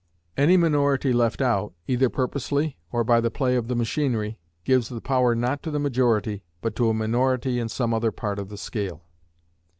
Any minority left out, either purposely or by the play of the machinery, gives the power not to the majority, but to a minority in some other part of the scale.